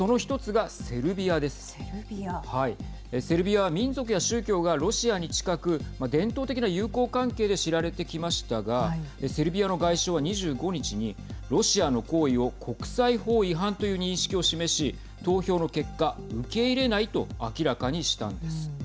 セルビアは民族や宗教がロシアに近く伝統的な友好関係で知られてきましたがセルビアの外相は２５日にロシアの行為を国際法違反という認識を示し投票の結果受け入れないと明らかにしたんです。